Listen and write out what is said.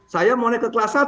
saya mau naik ke kelas satu